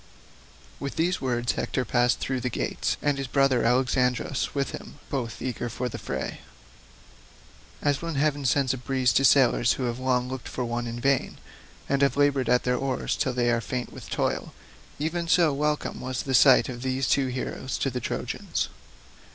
With these words Hector passed through the gates, and his brother Alexandrus with him, both eager for the fray. As when heaven sends a breeze to sailors who have long looked for one in vain, and have laboured at their oars till they are faint with toil, even so welcome was the sight of these two heroes to the Trojans.